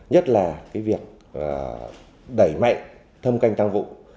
nhất là việc đẩy mạnh thâm canh tăng vụ